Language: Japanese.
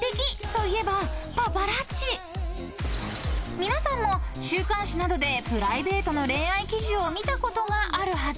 ［皆さんも週刊誌などでプライベートの恋愛記事を見たことがあるはず］